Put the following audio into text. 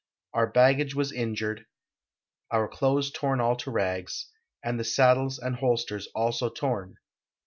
Our baggage was injured, our clothes torn all to rags, and the saddles and holsters also torn."